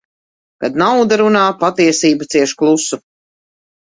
Kad nauda runā, patiesība cieš klusu.